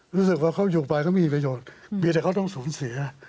รู้สึกว่าเขาอยู่ไปเขามีประโยชน์มีแต่เขาต้องสูญเสีย